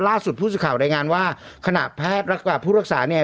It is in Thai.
ล่าสุดผู้สื่อข่าวรายงานว่าขณะแพทย์แล้วก็ผู้รักษาเนี่ย